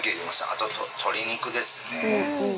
あと、鶏肉ですね。